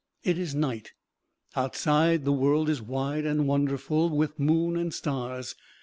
It is night. Outside, the world is wide and wonderful with moon and stars.